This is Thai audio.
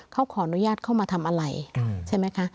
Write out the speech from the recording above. เขาขออนุญาตเข้ามาทำอะไรใช่ไหมคะ